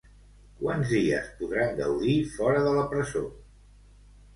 Quants dies podran gaudir fora de la presó?